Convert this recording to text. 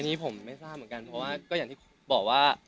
อันนี้ผมไม่ทราบเหมือนกันเพราะว่าก็อย่างที่บอกว่า